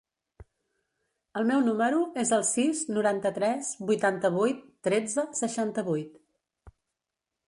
El meu número es el sis, noranta-tres, vuitanta-vuit, tretze, seixanta-vuit.